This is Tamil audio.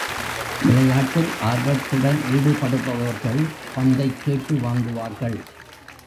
விளையாட்டில் ஆர்வத்துடன் ஈடுபடுபவர்கள் பந்தைக் கேட்டு வாங்குவார்கள்.